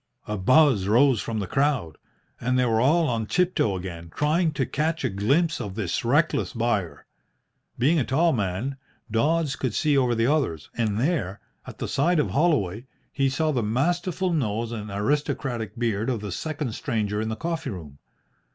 A buzz rose from the crowd, and they were all on tiptoe again, trying to catch a glimpse of this reckless buyer. Being a tall man, Dodds could see over the others, and there, at the side of Holloway, he saw the masterful nose and aristocratic beard of the second stranger in the coffee room.